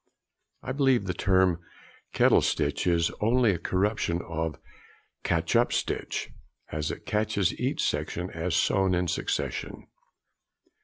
I believe the term "kettle stitch" is only a corruption of "catch up stitch," as it catches each section as sewn in succession.